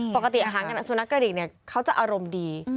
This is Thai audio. ปกติอาหารสุนัขกระดิกเนี่ยเขาจะอารมณ์ดี